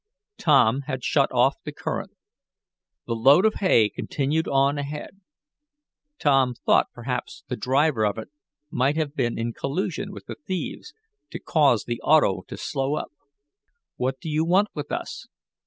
Tom had shut off the current. The load of hay continued on ahead. Tom thought perhaps the driver of it might have been in collusion with the thieves, to cause the auto to slow up. "What do you want with us?"